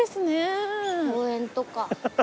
公園とか。